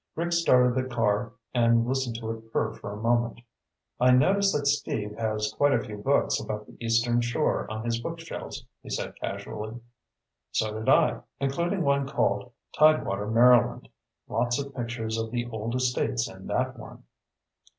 Rick started the car and listened to it purr for a moment. "I noticed that Steve has quite a few books about the Eastern Shore on his bookshelves," he said casually. "So did I. Including one called Tidewater Maryland. Lots of pictures of the old estates in that one."